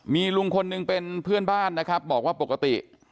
มีลุงคนหนึ่งเป็นเพื่อนบ้านนะครับบอกว่าปกติ